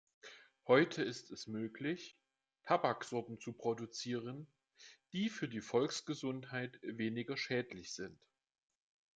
Heute ist es möglich, Tabaksorten zu produzieren, die für die Volksgesundheit weniger schädlich sind.